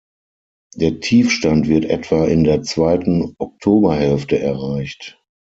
Der Tiefststand wird etwa in der zweiten Oktoberhälfte erreicht.